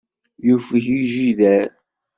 Yufeg yijider.